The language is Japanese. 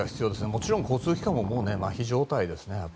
もちろん交通機関もまひ状態ですね。